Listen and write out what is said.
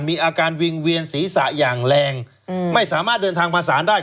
มีอาการวิ่งเวียนศีรษะอย่างแรงไม่สามารถเดินทางมาสารได้